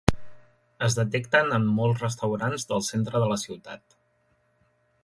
es detecten en molts restaurants del centre de la ciutat